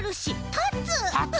たつ！